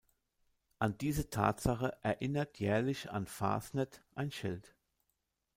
An diese Tatsache erinnert jährlich an Fasnet ein Schild.